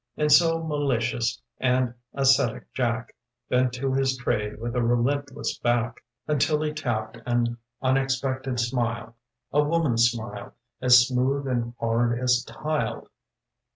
And so malicious and ascetic Jack Bent to his trade with a relentless back Until he tapped an unexpected smile — A woman's smile as smooth and hard as tile.